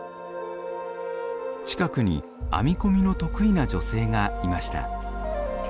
近くに編み込みの得意な女性がいました。